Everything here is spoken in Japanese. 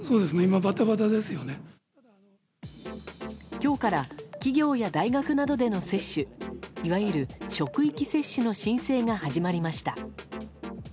今日から企業や大学などでの接種いわゆる職域接種の申請が始まりました。